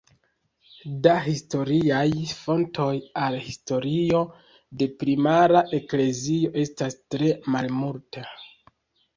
Da historiaj fontoj al historio de primara eklezio estas tre malmulte.